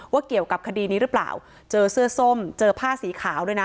เกี่ยวกับคดีนี้หรือเปล่าเจอเสื้อส้มเจอผ้าสีขาวด้วยนะ